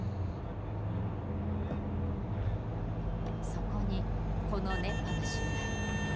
そこに、この熱波が襲来。